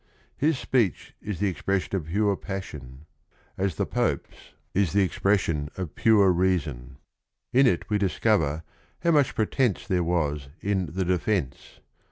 His speech is the expression of pure passion, as the Pope's is the expression of pure GUIDO 193 reason. In it we discover how much pretence there was in the defence.